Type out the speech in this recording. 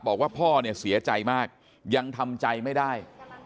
บอกว่าพ่อเนี่ยเสียใจมากยังทำใจไม่ได้